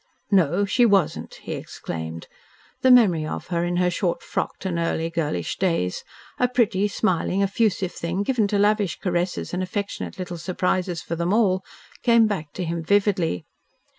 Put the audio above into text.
"No, she wasn't," he exclaimed. The memory of her in her short frocked and early girlish days, a pretty, smiling, effusive thing, given to lavish caresses and affectionate little surprises for them all, came back to him vividly.